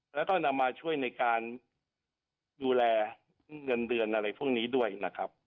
แล้วก็นำมาช่วยในการดูแลเงินเดือนอะไรพวกนี้ด้วยนะครับ